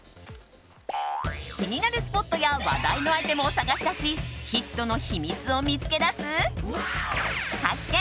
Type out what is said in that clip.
気になるスポットや話題のアイテムを探し出しヒットの秘密を見つけ出す発見！